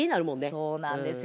そうなんですよ。